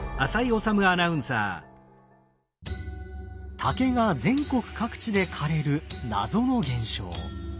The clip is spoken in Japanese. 竹が全国各地で枯れる謎の現象。